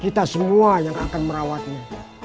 kita semua yang akan merawatnya